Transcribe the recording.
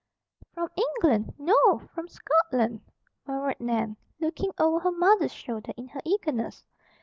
"From England. No! From Scotland," murmured Nan, looking over her mother's shoulder in her eagerness.